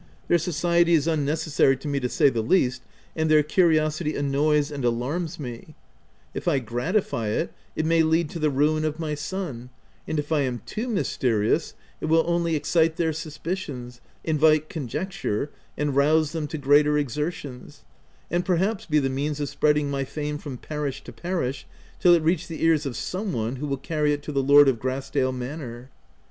Their society is unnecessary to me. to say the least, and their curiosity annoys and alarms me : if I gratify it, it may lead to the ruin of my son, and if I am too mysterious, it will only excite their suspicions, invite con jecture, and rouse them to greater exertions — and perhaps be the means of spreading my fame from parish to parish, till it reach the ears of some one who will carry it to the lord of Grass dale manor.